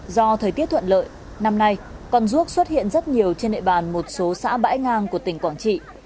do thời tiết thuận lợi năm nay con ruốc xuất hiện rất nhiều trên nệ bàn một số xã bãi ngang của tỉnh quảng trị